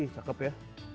ih cakep ya